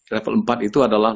level empat itu adalah